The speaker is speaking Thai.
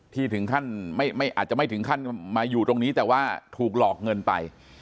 ถึงขั้นอาจจะไม่ถึงขั้นมาอยู่ตรงนี้แต่ว่าถูกหลอกเงินไป